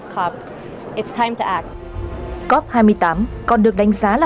cop hai mươi tám còn được đánh giá là hội nghị quan trọng nhất trong tám năm qua